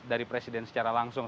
dari presiden secara langsung